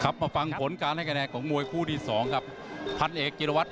ครับมาฟังผลการณ์ให้แกนแกงของมวยคู่ที่สองครับพัฒเอกเจราวัตร